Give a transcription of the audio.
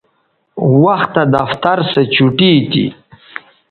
وختہ دفتر سو چوٹی تھی